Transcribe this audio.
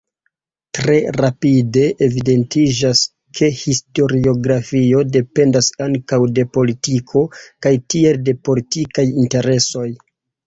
Tre rapide evidentiĝas, ke historiografio dependas ankaŭ de politiko kaj tiel de politikaj interesoj.